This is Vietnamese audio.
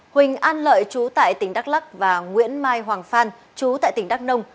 huỳnh an lợi chú tại tỉnh đắk lắc và nguyễn mai hoàng phan chú tại tỉnh đắk nông